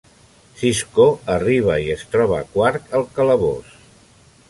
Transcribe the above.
Sisko arriba i es troba Quark al calabós.